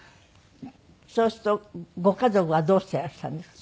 そうするとご家族はどうしていらっしゃるんですか？